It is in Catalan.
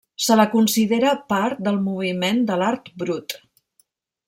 Se la considera part del moviment de l'Art Brut.